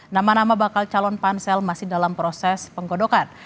nama nama bakal calon pansel masih dalam proses penggodokan